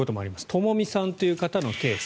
トモミさんという方のケース。